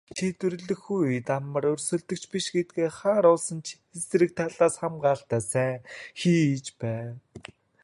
Шийдвэрлэх үед амар өрсөлдөгч биш гэдгээ харуулсан ч эсрэг талаас хамгаалалтаа сайн хийж байв.